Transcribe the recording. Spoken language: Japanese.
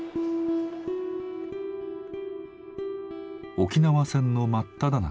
沖縄戦の真っただ中